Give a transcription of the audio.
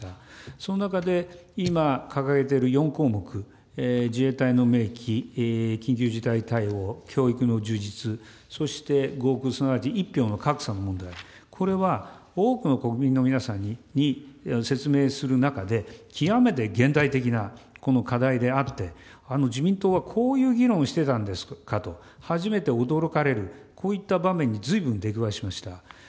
その中で今掲げている４項目、自衛隊の明記、緊急事態対応、教育の充実、そして合区、１票の格差の問題、これは多くの国民の皆さんに説明する中で、極めて現代的な課題であって、あの自民党はこういう議論をしていたんですかと、初めて驚かれる、こういった場面にずいぶん出くわしました。